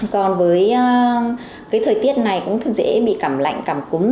còn với thời tiết này cũng dễ bị cảm lạnh cảm cúm